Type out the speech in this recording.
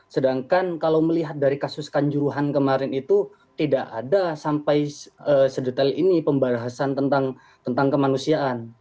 sedangkan kalau melihat dari kasus kanjuruhan kemarin itu tidak ada sampai sedetail ini pembahasan tentang kemanusiaan